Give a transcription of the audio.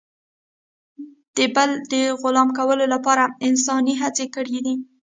د بل د غلام کولو لپاره انسان هڅې کړي دي.